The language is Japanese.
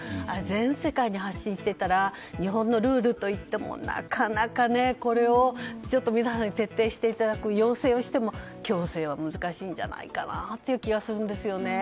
全世界に発信していたから日本のルールといってもなかなかこれを皆さんに徹底していただく要請をしても強制は難しいんじゃないかなという気がするんですよね。